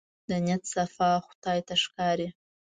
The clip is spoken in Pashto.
د نيت صفا خدای ته ښکاري.